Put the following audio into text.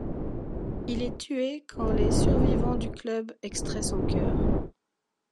Il est tué quand les survivants du Club extraient son cœur.